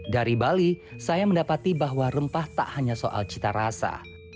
dari bali saya mendapati bahwa rempah tak hanya soal cita rasa